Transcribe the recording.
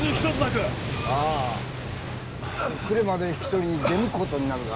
呉まで引き取りに出向く事になるが。